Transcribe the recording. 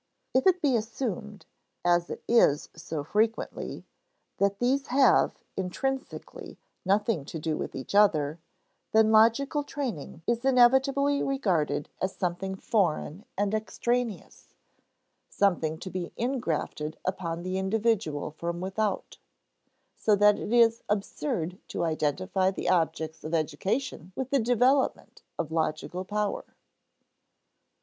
If it be assumed as it is so frequently that these have, intrinsically, nothing to do with each other, then logical training is inevitably regarded as something foreign and extraneous, something to be ingrafted upon the individual from without, so that it is absurd to identify the object of education with the development of logical power.